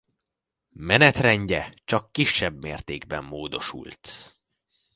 Menetrendje csak kisebb mértékben módosult.